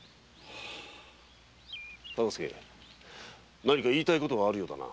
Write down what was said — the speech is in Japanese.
忠相何か言いたいことがあるようだな。